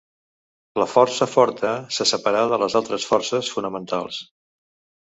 La força forta se separà de les altres forces fonamentals.